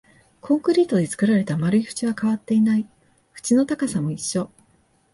コンクリートで作られた丸い縁は変わっていない、縁の高さも一緒